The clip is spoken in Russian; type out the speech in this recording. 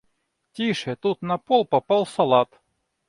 Тише, тут на пол попал салат!